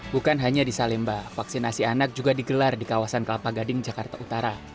bukan hanya di salemba vaksinasi anak juga digelar di kawasan kelapa gading jakarta utara